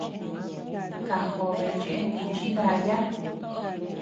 Kajobe cheʼe nichi daya.